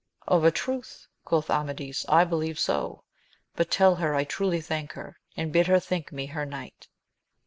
Of a truth, quoth Amadis, I believe so ; but tell her I truly thank her, and bid her think me her knight.